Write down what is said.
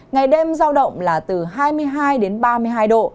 ngày đêm giao động là từ hai mươi hai đến ba mươi hai độ